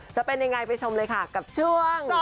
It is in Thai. จะเป็นยังไงไปชมเลยค่ะกับช่วง